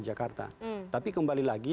jakarta tapi kembali lagi